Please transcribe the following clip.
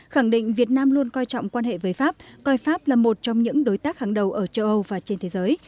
khẳng định việt nam luôn coi trọng quan hệ với pháp coi pháp là một trong những đối tác hàng đầu ở châu âu và trên thế giới